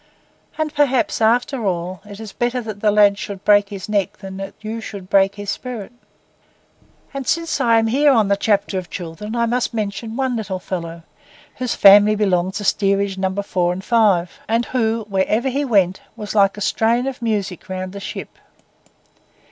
And perhaps, after all, it is better that the lad should break his neck than that you should break his spirit. And since I am here on the chapter of the children, I must mention one little fellow, whose family belonged to Steerage No. 4 and 5, and who, wherever he went, was like a strain of music round the ship.